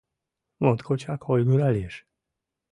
Моткочак ойгыра лиеш.